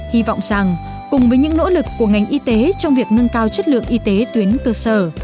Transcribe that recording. hy vọng rằng cùng với những nỗ lực của ngành y tế trong việc nâng cao chất lượng y tế tuyến cơ sở